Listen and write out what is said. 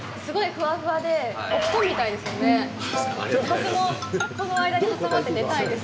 私もこの間に挟まって寝たいです。